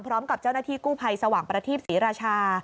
พร้อมกับเจ้าหน้าที่กู้ภัยสว่างประทีปศรีราชา